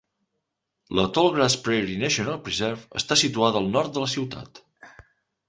La Tallgrass Prairie National Preserve està situada al nord de la ciutat.